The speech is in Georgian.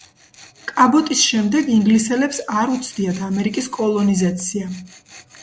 კაბოტის შემდეგ ინგლისელებს არ უცდიათ ამერიკის კოლონიზაცია.